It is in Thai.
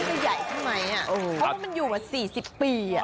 ให้ใหญ่เข้ามั้ยอ่ะเพราะมันอยู่ร่าง๔๐ปีอ่ะ